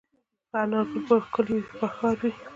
په انارګل به ښکلی بهار وي